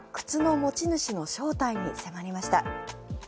番組では靴の持ち主の正体に迫りました。